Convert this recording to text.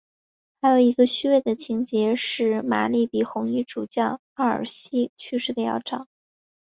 还有一个虚构的情节是玛丽比红衣主教沃尔西去世的要早。